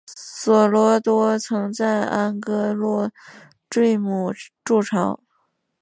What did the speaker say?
索隆多曾在安戈洛坠姆筑巢。